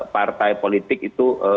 partai politik itu